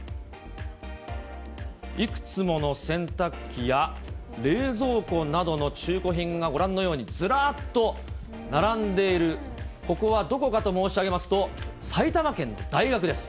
いくつもの洗濯機や冷蔵庫などの中古品がご覧のように、ずらっと並んでいる、ここはどこかと申し上げますと、埼玉県の大学です。